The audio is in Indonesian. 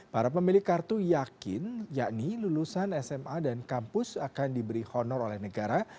para pemilik kartu yakin yakni lulusan sma dan kampus akan diberi honor oleh negara